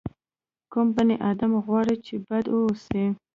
کوم بني ادم غواړي چې بد واوسي.